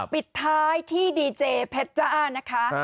ปิดท้ายที่ดีเจเพชรจ้านะคะ